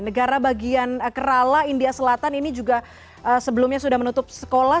negara bagian kerala india selatan ini juga sebelumnya sudah menutup sekolah